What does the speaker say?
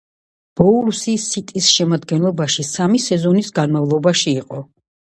ბოულსი „სიტის“ შემადგენლობაში სამი სეზონის განმავლობაში იყო.